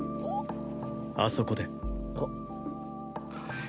あそこで。